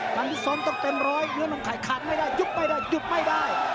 การพิสมต้องเต็มร้อยเหลือนมันขายขาดไม่ได้ยุบไม่ได้ยุบไม่ได้